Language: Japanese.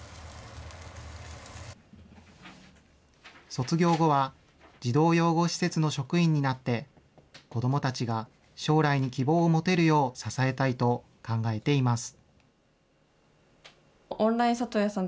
卒業後は児童養護施設の職員になって、子どもたちが将来に希望を持てるよう支えたいと考えています。